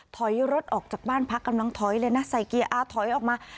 ถอยรถออกจากบ้านพักกำลังถอยเลยนะใส่เกียร์อาถอยออกมา